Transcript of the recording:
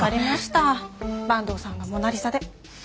坂東さんがモナ・リザで。